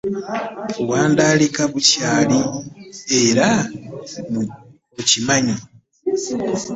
Wandaalika bukyali era okimanyi.